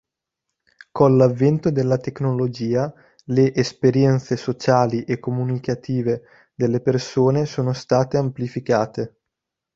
Con l'avvento della tecnologia, le esperienze sociali e comunicative delle persone sono state amplificate.